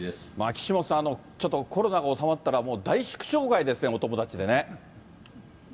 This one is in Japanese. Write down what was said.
岸本さん、ちょっとコロナが収まったら、もう大祝勝会ですね、お友達でね。